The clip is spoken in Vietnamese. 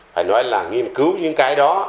phải nói là nghiên cứu những cái đó